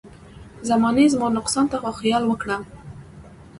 زمانې زما نقصان ته خو خيال وکړه.